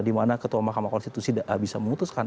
dimana ketua mahkamah konstitusi bisa memutuskan